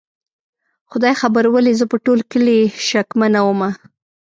خدای خبر ولې زه په ټول کلي شکمنه ومه؟